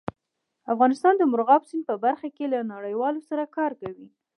افغانستان د مورغاب سیند په برخه کې له نړیوالو سره کار کوي.